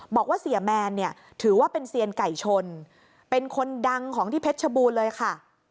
บอกว่าเสียแมนเนี่ยถือว่าเป็นเซียนไก่ชนเป็นคนดังของที่เพชรชบูรณ์เลยค่ะ